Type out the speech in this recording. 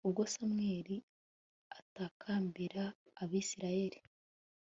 ubwo samweli atakambira abayisraheli